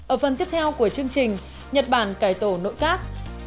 ở phần tiếp theo của chương trình nhật bản cải tổ nội các